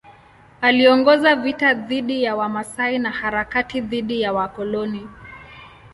Aliongoza vita dhidi ya Wamasai na harakati dhidi ya wakoloni.